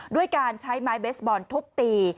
ด้วยการใช้ไม้เบสบอลทุบตี